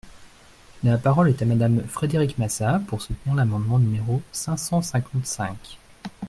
La parole est à Madame Frédérique Massat, pour soutenir l’amendement numéro cinq cent cinquante-cinq.